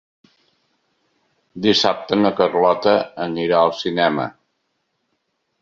Dissabte na Carlota anirà al cinema.